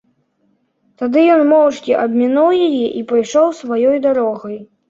Тады ён моўчкі абмінуў яе і пайшоў сваёй дарогай.